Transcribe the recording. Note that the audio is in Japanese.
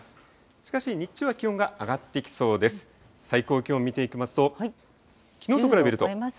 しかし日中は気温が上がっていきそうです。